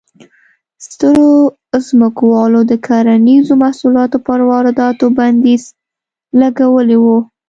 سترو ځمکوالو د کرنیزو محصولاتو پر وارداتو بندیز لګولی و.